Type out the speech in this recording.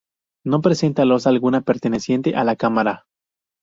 No presenta losa alguna perteneciente a la cámara.